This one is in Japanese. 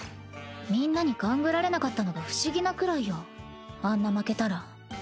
みんなに勘ぐられなかったのが不思議なくらいよあんな負けたら。